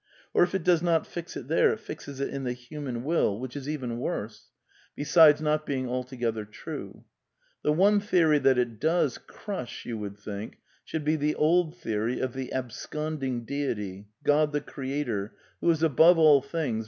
Or if it does not fix it there, it fixes it in the human will, which is even worse, 146 A DEFENCE OF IDEALISM besides not being altogether true. The one theory that it does crush, you would think, should be the old theory of the sconding deity, God the Creator, who is above all things.